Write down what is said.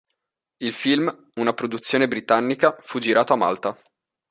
Il film, una produzione britannica, fu girato a Malta.